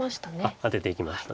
アテていきました。